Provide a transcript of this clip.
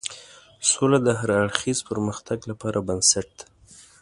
سوله د هر اړخیز پرمختګ لپاره بنسټ ده.